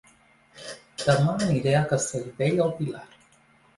Dema aniré a Castellbell i el Vilar